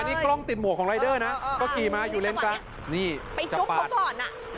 อันนี้กล้องติดหมวกของรายเดอร์นะเขากี่มาอยู่เล็งกะนี่จะปาดไปจุ๊บผมก่อนน่ะ